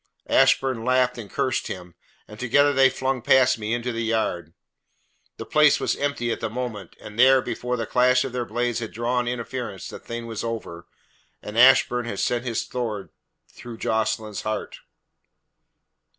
Ashburn laughed and cursed him, and together they flung past me into the yard. The place was empty at the moment, and there, before the clash of their blades had drawn interference, the thing was over and Ashburn had sent his sword through Jocelyn's heart."